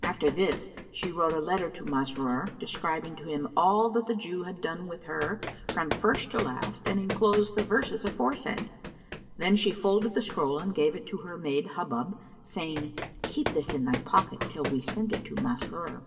After this she wrote a letter to Masrur, describing to him all that the Jew had done with her from first to last and enclosed the verses aforesaid. Then she folded the scroll and gave it to her maid Hubub, saying, "Keep this in thy pocket, till we send it to Masrur."